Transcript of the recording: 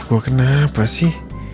gue kenapa sih